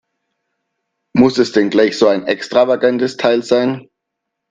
Muss es denn gleich so ein extravagantes Teil sein?